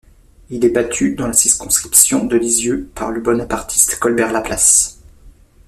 Il est battu, dans la circonscription de Lisieux, par le bonapartiste Colbert-Laplace.